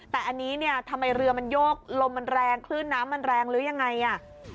แต่อันนี้เนี่ยทำไมเรือมันโยกลมมันแรงคลื่นน้ำมันแรงหรือยังไงอ่ะ